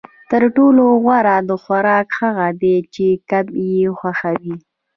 تر ټولو غوره خوراک هغه دی چې کب یې خوښوي